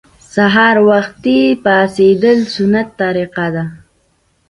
سهار وختي پاڅیدل سنت طریقه ده